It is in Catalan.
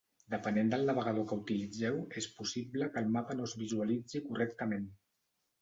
Depenent del navegador que utilitzeu és possible que el mapa no es visualitzi correctament.